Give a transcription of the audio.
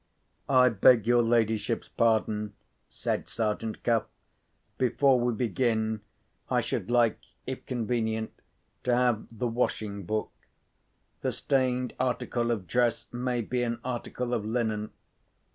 "I beg your ladyship's pardon," said Sergeant Cuff. "Before we begin, I should like, if convenient, to have the washing book. The stained article of dress may be an article of linen.